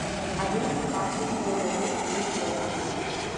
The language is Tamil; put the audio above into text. அது காசைப் போலவே இருக்கிறது.